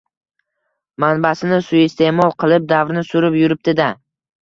Mansabini suiiste`mol qilib, davrini surib yuribdi-da